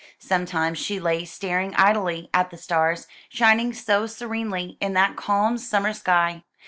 Sometimes she lay staring idly at the stars, shining so serenely in that calm summer sky.